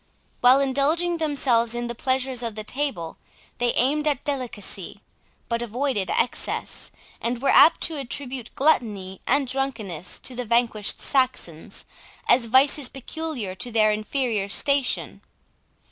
While indulging themselves in the pleasures of the table, they aimed at delicacy, but avoided excess, and were apt to attribute gluttony and drunkenness to the vanquished Saxons, as vices peculiar to their inferior station.